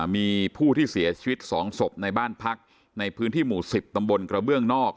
มีผู้ที่เสียชีวิต๒ศพในบ้านพักในพื้นที่หมู่๑๐ตำบลกระเบื้องนอก